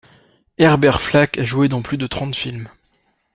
Herbert Flack a joué dans plus de trente films.